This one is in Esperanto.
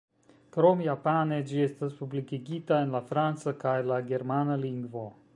Krom japane ĝi estas publikigita en la franca kaj la germana lingvo.